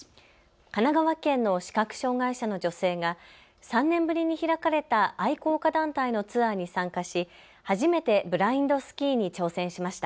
神奈川県の視覚障害者の女性が３年ぶりに開かれた愛好家団体のツアーに参加し初めてブラインドスキーに挑戦しました。